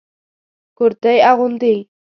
کرتي اغوندئ